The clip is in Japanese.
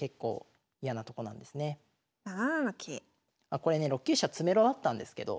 あこれね６九飛車詰めろあったんですけど。